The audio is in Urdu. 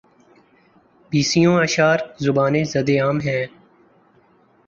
بیسیوں اشعار زبانِ زدِ عام ہیں